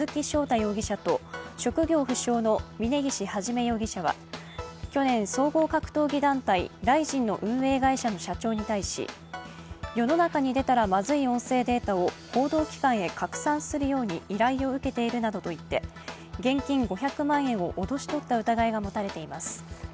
容疑者と職業不詳の峯岸一容疑者は去年、総合格闘技団体ＲＩＺＩＮの運絵会社の社長に対し世の中に出たらまずい音声データを報道機関へ拡散するように依頼を受けているなどといって現金５００万円を脅し取った疑いが持たれています。